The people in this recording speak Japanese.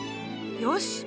よし！